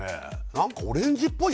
何かオレンジっぽい？